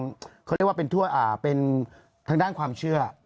เขาเรียกว่าเป็นทั่วเป็นทางด้านความเชื่อ